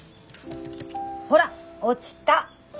ほら落ちた。